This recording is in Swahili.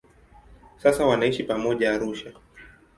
Sasa wanaishi pamoja Arusha.